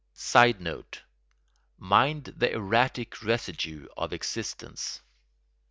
[Sidenote: Mind the erratic residue of existence.